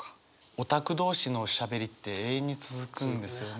オタク同士のおしゃべりって永遠に続くんですよね。